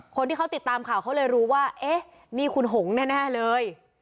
คนที่เขาติดตามข่าวเขาเลยรู้ว่าเอ๊ะนี่คุณหงแน่เลย